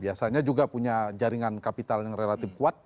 biasanya juga punya jaringan kapital yang relatif kuat